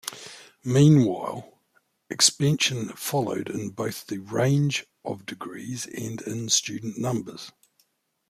Meanwhile, expansion followed in both the range of degrees and in student numbers.